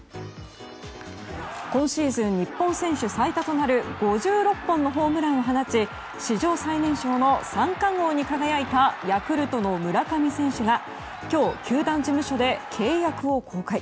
今シーズン日本選手最多となる５６本のホームランを放ち史上最年少の三冠王に輝いたヤクルトの村上選手が今日、球団事務所で契約を更改。